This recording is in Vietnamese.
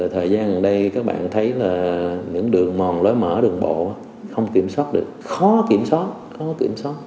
thời gian gần đây các bạn thấy là những đường mòn lối mở đường bộ không kiểm soát được khó kiểm soát